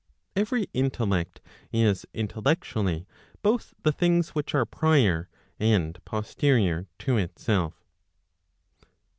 Every intellect is intellectually both the things which are prior and posterior to itself.